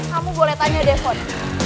kamu boleh tanya deh fon